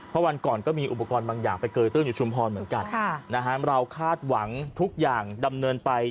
เพราะวันก่อนก็มีอุปกรณ์บางอย่างไปเกยตื้นอยู่ชุมพรเหมือนกันเราคาดหวังทุกอย่างดำเนินไป